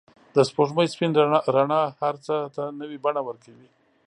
د سپوږمۍ سپین رڼا هر څه ته نوی بڼه ورکوي.